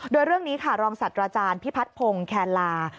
โดยเรื่องนี้ค่ะรองศัตว์อาจารย์พิพัฒนพงศ์แคลลา